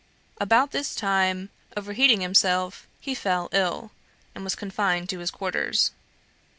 About this time, overheating himself, he fell ill, and was confined to his quarters.